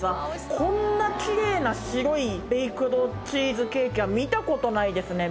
こんなキレイな白いベークド・チーズケーキは見たことないですね。